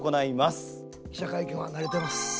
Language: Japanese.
記者会見は慣れてます。